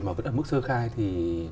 mà vẫn ở mức sơ khai thì